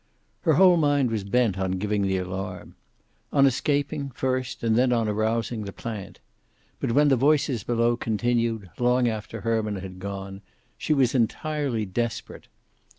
Her whole mind was bent on giving the alarm. On escaping, first, and then on arousing the plant. But when the voices below continued, long after Herman had gone, she was entirely desperate.